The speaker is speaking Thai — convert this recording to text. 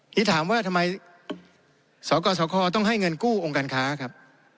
นี่ถามว่าทำไมสกสคต้องให้เงินกู้องค์การค้าครับ